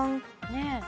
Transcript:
ねえ。